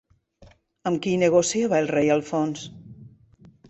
Amb qui negociava el rei Alfons?